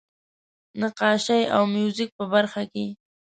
نقاشۍ او موزیک په برخه کې.